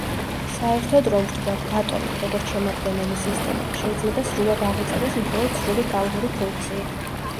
საერთოდ რომ ვთქვათ, ატომი, როგორც შემადგენელი სისტემა, შეიძლება სრულად აღიწეროს მხოლოდ სრული ტალღური ფუნქციით.